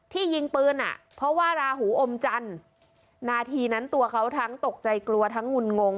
ยิงปืนอ่ะเพราะว่าราหูอมจันทร์นาทีนั้นตัวเขาทั้งตกใจกลัวทั้งงุ่นงง